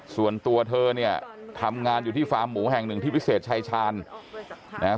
ส่วนตัวเธอเนี่ยทำงานอยู่ที่ฟาร์มหมูแห่งหนึ่งที่วิเศษชายชาญนะฮะ